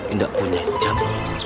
enggak punya jam